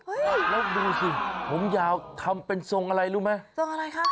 แล้วดูสิผมยาวทำเป็นทรงอะไรรู้ไหมทรงอะไรคะ